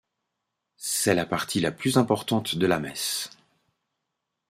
C'est la partie la plus importante de la messe.